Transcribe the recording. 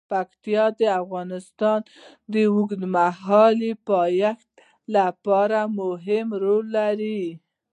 پکتیکا د افغانستان د اوږدمهاله پایښت لپاره مهم رول لري.